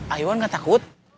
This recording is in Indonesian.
aiwan gak takut